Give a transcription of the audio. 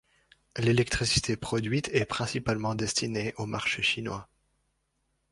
L'électricité produite est principalement destinée au marché chinois.